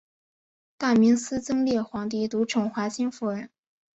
大明思宗烈皇帝独宠华清夫人。